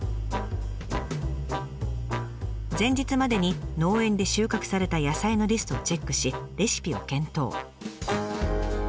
前日までに農園で収穫された野菜のリストをチェックしレシピを検討。